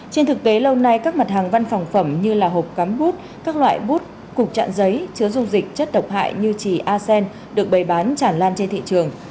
trên thực tế lâu nay các mặt hàng văn phòng phẩm như hộp cắm bút các loại bút cục trạng giấy chứa dung dịch chất độc hại như trì asen được bày bán tràn lan trên thị trường